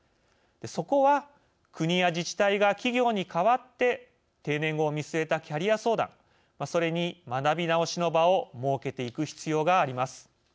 そこは国や自治体が企業に代わって定年後を見据えたキャリア相談それに学び直しの場を設けていく必要があります。